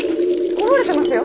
こぼれてますよ。